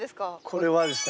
これはですね